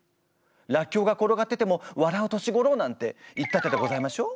らっきょうが転がってても笑う年ごろなんて言ったでございましょう。